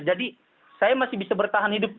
jadi saya masih bisa bertahan hidup